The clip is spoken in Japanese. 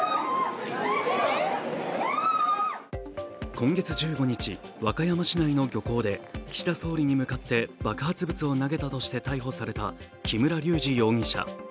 今月１５日、和歌山市内の漁港で岸田総理に向かって爆発物を投げたとして逮捕された木村隆二容疑者。